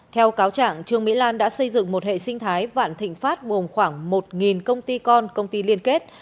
theo cáo trạng trương mỹ lan đã xây dựng một hệ sinh thái vạn thịnh pháp vùng khoảng một công ty con công ty liên kết